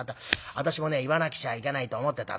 私もね言わなくちゃいけないと思ってたんだ。